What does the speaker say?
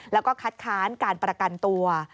แล้วก็คัดค้านการประกันตัว